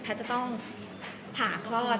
แพทย์จะต้องผ่าคลอด